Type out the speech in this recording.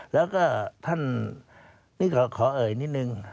แล้วก็ท่านนี่ขอเอ่ยนิดนึง